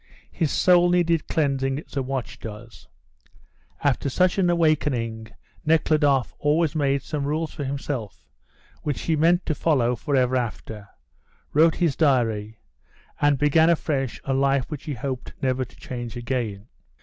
His soul needed cleansing as a watch does. After such an awakening Nekhludoff always made some rules for himself which he meant to follow forever after, wrote his diary, and began afresh a life which he hoped never to change again.